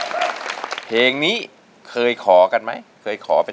นางเดาเรืองหรือนางแววเดาสิ้นสดหมดสาวกลายเป็นขาวกลับมา